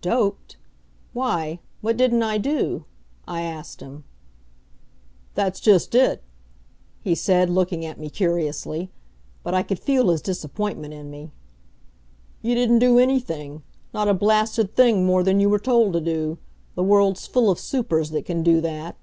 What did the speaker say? "Doped? Why what didn't I do?" I asked him. "That's just it," he said, looking at me curiously; but I could feel his disappointment in me. "You didn't do anything not a blasted thing more than you were told to do. The world's full of supers that can do that."